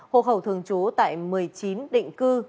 hộ khẩu thường trú tại một mươi chín định cư